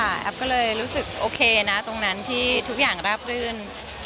แอฟก็เลยรู้สึกโอเคนะตรงนั้นที่ทุกอย่างราบรื่น